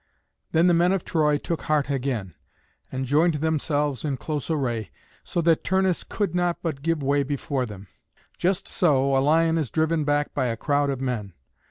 Then the men of Troy took heart again, and joined themselves in close array, so that Turnus could not but give way before them. Just so a lion is driven back by a crowd of men.